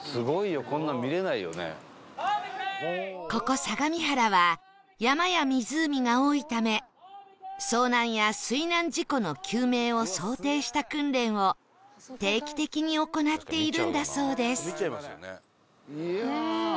ここ相模原は山や湖が多いため遭難や水難事故の救命を想定した訓練を定期的に行っているんだそうです